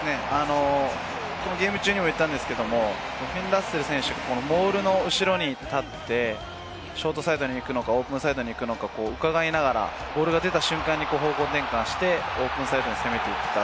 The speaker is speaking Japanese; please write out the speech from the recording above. このゲーム中にも言ったんですけれども、フィン・ラッセル選手、モールの後ろに立ってショートサイドに行くのか、オープンサイドに行くのか伺いながら、ボールが出た瞬間に方向転換してオープンサイドに攻めていった。